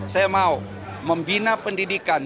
saya mau membina pendidikan